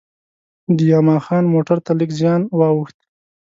د یما خان موټر ته لږ زیان وا ووښت.